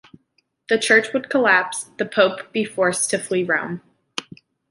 The Church would collapse, the Pope be forced to flee Rome.